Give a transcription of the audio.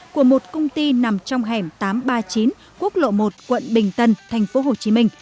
của một công ty nằm trong hẻm tám trăm ba mươi chín quốc lộ một quận bình tân tp hcm